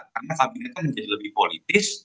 karena kabinetnya menjadi lebih politis